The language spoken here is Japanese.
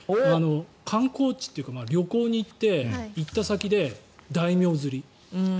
観光地というか旅行に行って行った先で大名釣り。